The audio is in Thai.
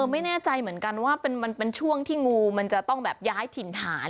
ไม่แน่ใจเหมือนกันว่ามันเป็นช่วงที่งูมันจะต้องแบบย้ายถิ่นฐาน